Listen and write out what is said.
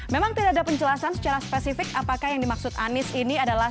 memang tidak ada penjelasan secara spesifik apakah yang dimaksud anies ini adalah